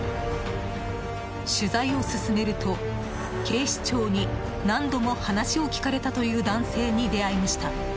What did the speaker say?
取材を進めると、警視庁に何度も話を聞かれたという男性に出会いました。